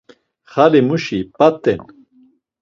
Xalimuşi ip̌at̆en.